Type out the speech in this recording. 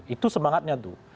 itu semangatnya tuh